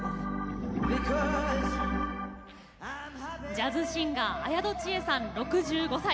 ジャズシンガー、綾戸智絵さん６５歳。